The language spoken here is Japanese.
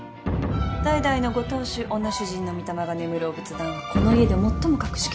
代々のご当主女主人のみ霊が眠るお仏壇はこの家で最も格式の高い場所。